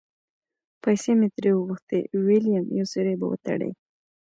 پیسې مې ترې وغوښتې؛ وېلم یو سوری به وتړي.